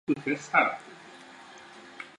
普拉特县是美国内布拉斯加州东部的一个县。